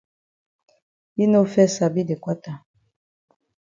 Yi no fes sabi de kwata.